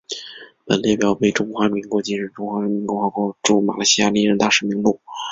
本列表为中华民国及中华人民共和国驻马来西亚历任大使名录。